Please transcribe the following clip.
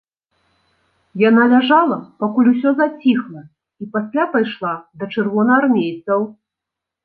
Яна ляжала, пакуль усё заціхла, і пасля пайшла да чырвонаармейцаў.